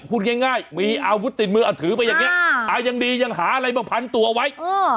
พูดง่ายมีอาวุธติดมือถือไปอย่างนี้อายังดียังหาอะไรมาพันตัวไว้